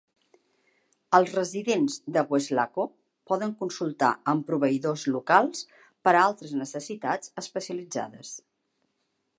Els residents de Weslaco poden consultar amb proveïdors locals per a altres necessitats especialitzades.